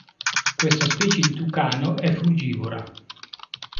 Questa specie di tucano è frugivora.